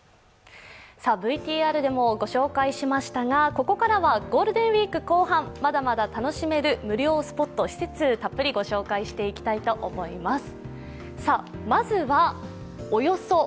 ＶＴＲでも御紹介しましたがここからはゴールデンウイーク後半、まだまだ楽しめる無料スポット施設たっぷりご紹介していきたいと思います。